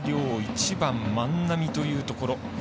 １番、万波というところ。